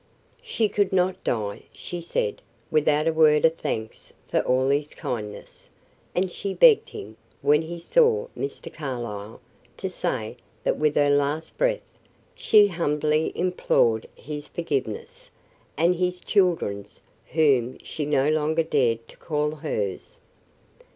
She could not die, she said, without a word of thanks for all his kindness; and she begged him, when he saw Mr. Carlyle, to say that with her last breath she humbly implored his forgiveness, and his children's whom she no longer dared to call hers.